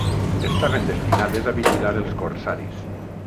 Estaven destinades a vigilar els corsaris.